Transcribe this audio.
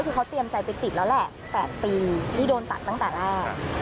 คือเขาเตรียมใจไปติดแล้วแหละ๘ปีที่โดนตัดตั้งแต่แรก